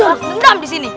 aku mau yang nangis